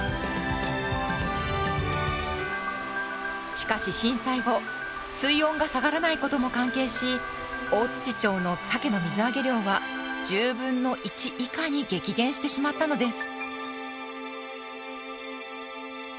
しかし震災後水温が下がらないことも関係し大町のサケの水揚げ量は１０分の１以下に激減してしまったのです。